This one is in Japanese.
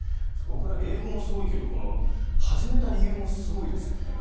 英語もすごいけど始めた理由もすごいですよね。